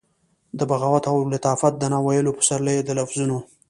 د بغاوت او لطافت د ناویلو پسرلیو د لفظونو،